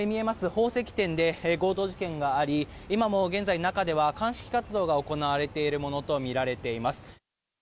宝石店で強盗事件があり今も現在、中では鑑識活動が行われているものとみられています。